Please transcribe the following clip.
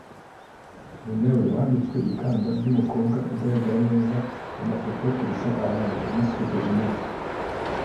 ninawe wambitswe ikamba ry’umukobwa ugaragara neza mu mafoto kurusha abandi (Miss photogenic)